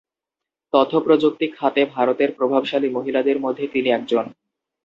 তথ্য প্রযুক্তি খাতে ভারতের প্রভাবশালী মহিলাদের মধ্যে তিনি একজন।